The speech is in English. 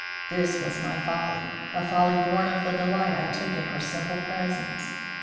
This was my folly; a folly born of the delight I took in her simple presence.